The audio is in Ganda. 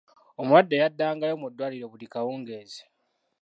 Omulwadde yaddangayo mu ddwaliro buli kawungeezi.